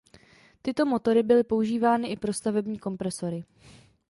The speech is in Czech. Tyto motory byly používány i pro stavební kompresory.